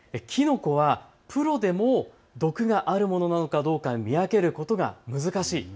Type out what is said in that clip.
きのこはプロでも毒があるものかどうか見分けることが難しい。